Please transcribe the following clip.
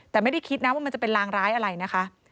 แต่ไม่ได้คิดนะว่ามันจะเป็นรางร้ายอะไรนะคะ